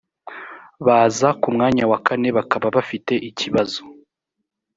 baza ku mwanya wa kane bakaba bafite ikibazo